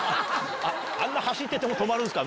あんな走ってても止まるんすか？